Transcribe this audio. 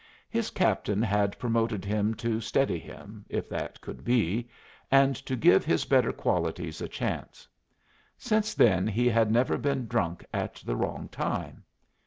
His captain had promoted him to steady him, if that could be, and to give his better qualities a chance. Since then he had never been drunk at the wrong time.